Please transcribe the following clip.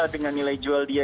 dengan nilai jual dia